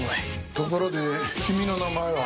ところで君の名前は？